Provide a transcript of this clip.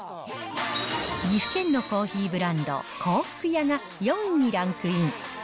岐阜県のコーヒーブランド、香福屋が４位にランクイン。